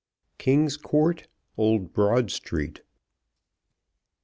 KING'S COURT, OLD BROAD STREET.